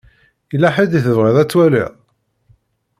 Yella ḥedd i tebɣiḍ ad twaliḍ?